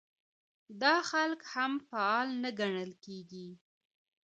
دا خلک هم فعال نه ګڼل کېږي.